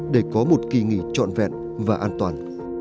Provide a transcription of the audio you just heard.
để có một kỳ nghỉ trọn vẹn và an toàn